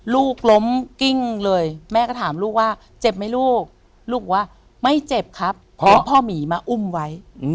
ลูกล้มกิ้งเลยแม่ก็ถามลูกว่าเจ็บไหมลูกลูกบอกว่าไม่เจ็บครับเพราะพ่อหมีมาอุ้มไว้